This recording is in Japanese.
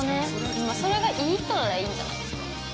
◆それがいい人ならいいんじゃないですか。